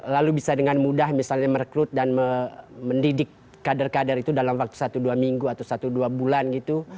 lalu bisa dengan mudah misalnya merekrut dan mendidik kader kader itu dalam waktu satu dua minggu atau satu dua bulan gitu